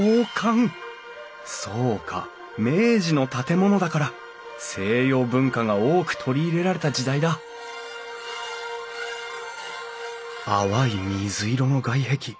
そうか明治の建物だから西洋文化が多く取り入れられた時代だ淡い水色の外壁。